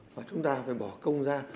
và chúng ta phải bỏ công ra